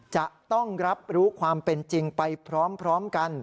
จะต้องรับรู้ความเป็นจริงไปพร้อมกัน